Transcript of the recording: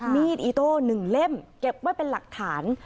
มีดอิโต้๑เล่มเก็บไว้เป็นหลักฐาน